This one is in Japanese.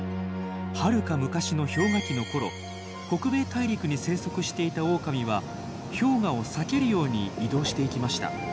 はるか昔の氷河期の頃北米大陸に生息していたオオカミは氷河を避けるように移動していきました。